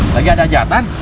lagi ada jatan